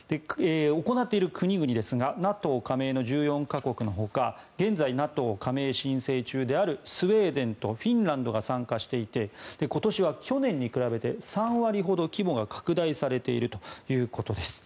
行っている国々ですがＮＡＴＯ加盟の１４か国のほか現在、ＮＡＴＯ加盟申請中のスウェーデンとフィンランドが参加していて今年は去年に比べて３割ほど規模が拡大されているということです。